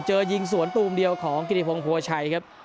เจอยิงสวนธุมเดียวของกิฤฮงหัวชัยครับ